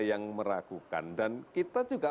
yang meragukan dan kita juga